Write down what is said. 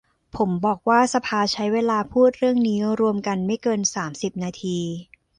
ผมบอกว่าสภาใช้เวลาพูดเรื่องนี้รวมกันไม่เกิน สามสิบ นาที